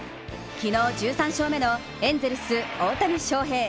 昨日、１３勝目のエンゼルス・大谷翔平。